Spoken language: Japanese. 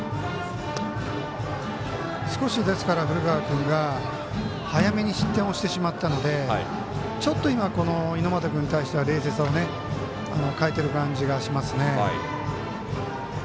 少し、古川君が早めに失点をしてしまったのでちょっと猪俣君に対しては冷静さを欠いてる感じがしますね。